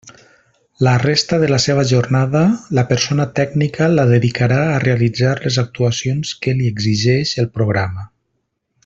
La resta de la seva jornada, la persona tècnica la dedicarà a realitzar les actuacions que li exigeix el programa.